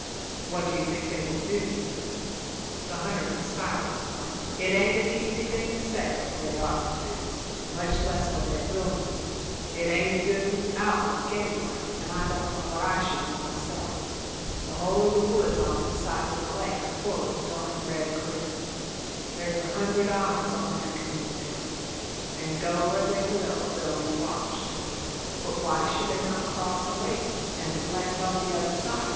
"What do you think they will do?" Mrs. Welch asked. The hunter was silent for a minute. "It aint a easy thing to say what they ought to do, much less what they will do; it aint a good outlook anyway, and I don't know what I should do myself. The whole of the woods on this side of the lake are full of the darned red critters. There's a hundred eyes on that canoe now, and, go where they will, they'll be watched." "But why should they not cross the lake and land on the other side?"